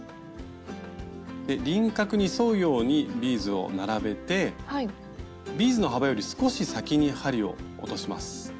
輪郭に沿うようにビーズを並べてビーズの幅より少し先に針を落とします。